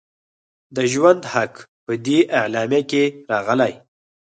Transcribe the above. د ژوند حق په دې اعلامیه کې راغلی.